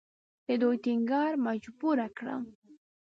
د دوی ټینګار مجبوره کړم.